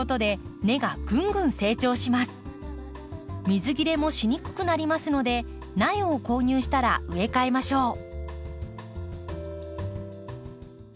水切れもしにくくなりますので苗を購入したら植え替えましょう。